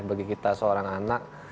bagi kita seorang anak